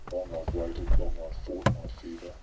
Long I've waited, long I've fought my fever.